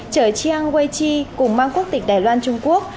chở chiang wei chi cùng mang quốc tịch đài loan trung quốc